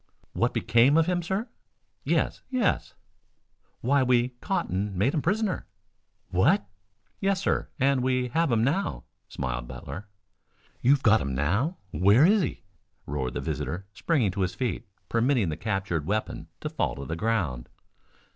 "What became of him, sir?" "Yes, yes!" "Why we caught and made him prisoner." "What!" "Yes, sir, and we have him now," smiled Tad Butler. "You've got him now? Where is he?" roared the visitor springing to his feet, permitting the captured weapon to fall to the ground.